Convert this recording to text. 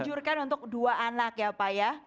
dijurkan untuk dua anak ya pak ya